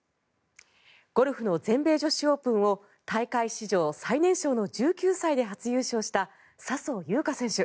ゴルフの全米女子オープンを大会史上最年少の１９歳で初優勝した笹生優花選手。